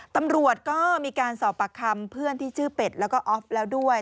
ตำรวจก็มีการสอบปากคำเพื่อนที่ชื่อเป็ดแล้วก็ออฟแล้วด้วย